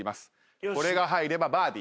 これが入ればバーディー。